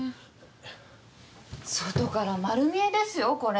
外から丸見えですよこれ。